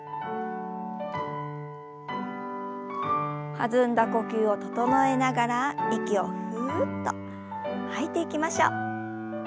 弾んだ呼吸を整えながら息をふっと吐いていきましょう。